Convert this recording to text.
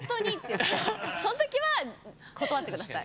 その時は断って下さい。